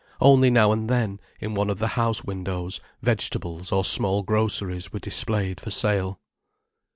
Only now and then, in one of the house windows vegetables or small groceries were displayed for sale.